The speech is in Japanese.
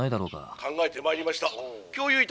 「考えてまいりました。